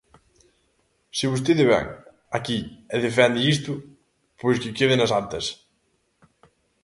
Se vostede vén aquí e defende isto, pois que quede nas actas.